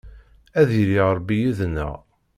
Ad yili Ṛebbi yid-neɣ.